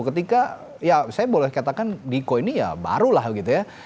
ketika ya saya boleh katakan diko ini ya baru lah gitu ya